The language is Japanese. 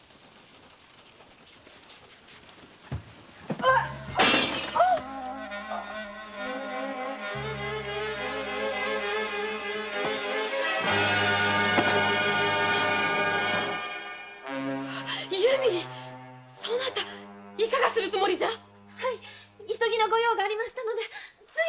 あッ由美そなたいかが致すつもりじゃ急ぎの御用がありましたのでつい。